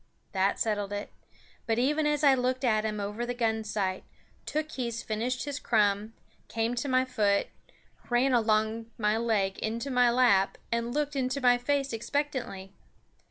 That settled it; but even as I looked at him over the gun sight, Tookhees finished his crumb, came to my foot, ran along my leg into my lap, and looked into my face expectantly.